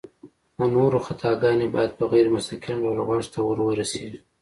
د نورو خطاګانې بايد په غير مستقيم ډول غوږ ته ورورسيږي